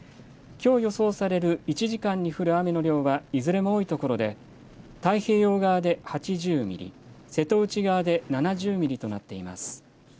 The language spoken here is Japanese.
きょう予想される１時間に降る雨の量はいずれも多い所で、太平洋側で８０ミリ、瀬戸内側で７０ミリとなっています。